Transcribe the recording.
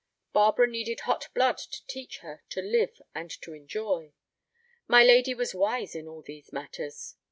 Barbara needed hot blood to teach her to live and to enjoy. My lady was wise in all these matters.